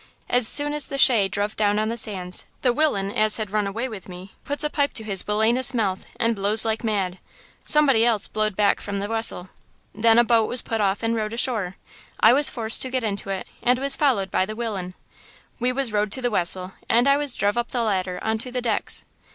"As soon as the shay druv down on the sands, the willain as had run away with me puts a pipe to his willainous mouth and blows like mad. Somebody else blowed back from the wessel. Then a boat was put off and rowed ashore. I was forced to get into it, and was followed by the willian. We was rowed to the wessel, and I was druv up the ladder on to the decks.